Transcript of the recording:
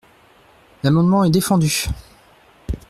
L’amendement est défendu.